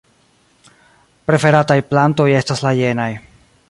Preferataj plantoj estas la jenaj.